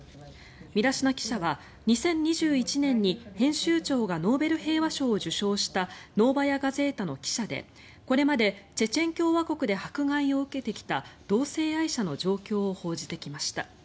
ミラシナ記者は２０２１年に編集長がノーベル平和賞を受賞したノーバヤ・ガゼータの記者でこれまでチェチェン共和国で迫害を受けてきた同性愛者の状況を報じてきました。